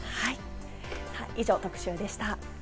以上、特集でした。